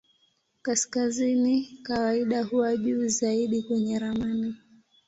Kaskazini kawaida huwa juu zaidi kwenye ramani.